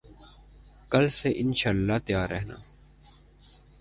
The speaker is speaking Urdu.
کل سے ان شاءاللہ تیار رہنا